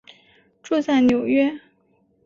住在纽约。